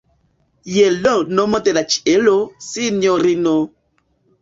Je l' nomo de la ĉielo, sinjorino!